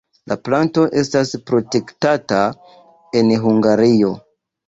La planto estas protektata en Hungario.